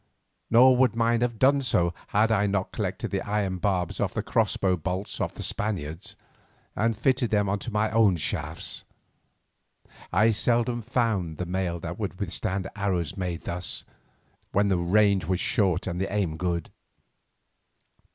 Nor would mine have done so had I not collected the iron barbs off the crossbow bolts of the Spaniards, and fitted them to my own shafts. I seldom found the mail that would withstand arrows made thus, when the range was short and the aim good.